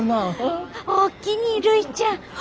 おおきにるいちゃん。